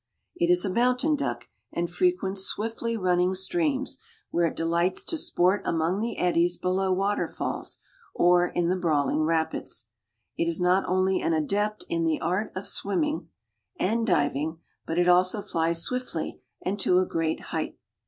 It is a mountain duck and "frequents swiftly running streams, where it delights to sport among the eddies below water falls or in the brawling rapids." It is not only an adept in the art of swimming and diving, but it also flies swiftly and to a great height.